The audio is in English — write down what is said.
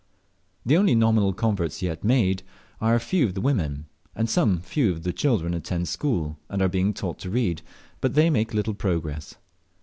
The only nominal converts yet made are a few of the women; and some few of the children attend school, and are being taught to read, but they make little progress.